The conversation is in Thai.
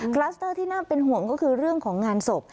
คลัสเตอร์ที่น่าเป็นห่วงก็คือเรื่องของงานศพ